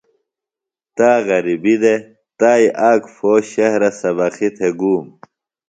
تا غربیۡ دےۡ۔ تائی آک پھو شہرہ سبقی تھےۡ گُوم۔